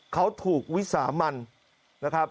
เขาถูกวิสามันนะครับ